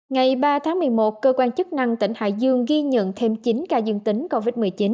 ngày ba tháng một mươi một cơ quan chức năng tỉnh hải dương ghi nhận thêm chín ca dương tính covid một mươi chín